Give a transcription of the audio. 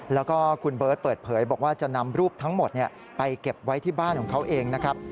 แล้วก็คุณเบิร์ตเปิดเผยบอกว่าจะนำรูปทั้งหมดไปเก็บไว้ที่บ้านของเขาเองนะครับ